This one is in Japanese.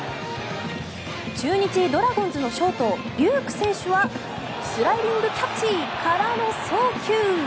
中日ドラゴンズのショート、龍空選手はスライディングキャッチからの送球！